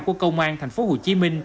của công an tp hcm